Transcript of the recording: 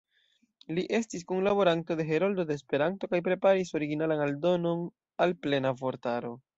Li estis kunlaboranto de "Heroldo de Esperanto" kaj preparis originalan aldonon al „Plena Vortaro“.